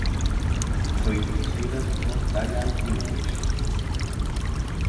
Foi dirixida por Diane English.